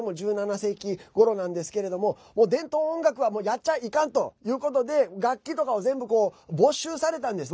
１７世紀ごろなんですけれども伝統音楽はやっちゃいかんということで楽器とかを全部没収されたんです。